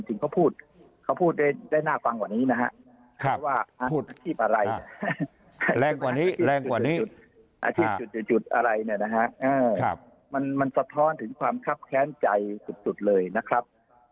จุดสุดมันสะท้อนถึงความครับแค้นใจสุดเลยนะครับ